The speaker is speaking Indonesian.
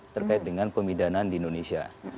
terkait dengan pemidanaan di indonesia